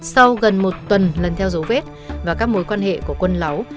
sau gần một tuần lần theo dấu vết và các mối quan hệ của quân láo